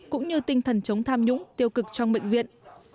cũng như tinh thần chống tham nhũng tiêu cực trong bệnh viện